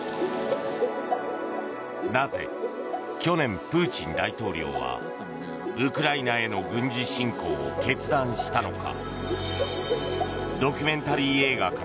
なぜ、去年プーチン大統領はウクライナへの軍事侵攻を決断したのか。